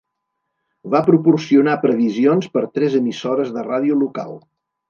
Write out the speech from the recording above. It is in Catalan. Va proporcionar previsions per tres emissores de ràdio local.